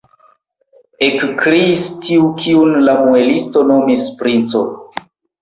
ekkriis tiu, kiun la muelisto nomis princo.